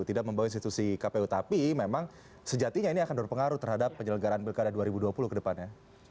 tidak membawa institusi kpu tapi memang sejatinya ini akan berpengaruh terhadap penyelenggaraan pilkada dua ribu dua puluh ke depannya